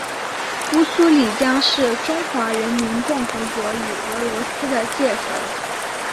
乌苏里江是中华人民共和国与俄罗斯的界河。